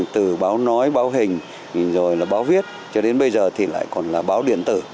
từ báo nói báo hình rồi là báo viết cho đến bây giờ thì lại còn là báo điện tử